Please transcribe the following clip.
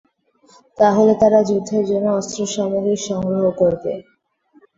তাহলে তারা যুদ্ধের জন্য অস্ত্রসামগ্রী সংগ্রহ করবে।